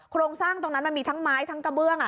โครงสร้างตรงนั้นมันมีทั้งไม้ทั้งกระเบื้อง